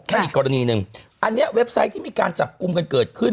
อีกกรณีหนึ่งอันนี้เว็บไซต์ที่มีการจับกลุ่มกันเกิดขึ้น